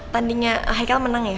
tandingnya haikal menang ya